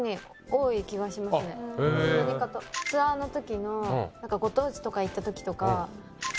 ツアーのときのご当地とか行ったときとか。